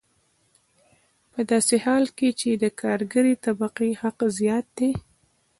په داسې حال کې چې د کارګرې طبقې حق زیات دی